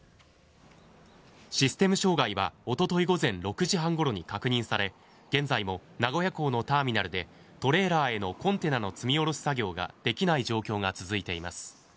システム障害はおととい午前６時半ごろに確認され現在も名古屋港のターミナルでトレーラーへのコンテナの積み下ろし作業ができない状況が続いています。